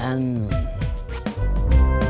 emang pengen ngensur